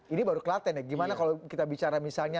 ini baru klaten ya gimana kalau kita bicara misalnya